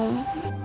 eh duduk ya